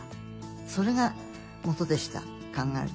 それがもとでした考えると。